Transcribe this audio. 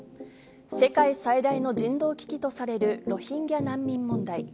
世界最大の人道危機とされるロヒンギャ難民問題。